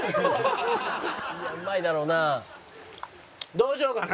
どうしようかな？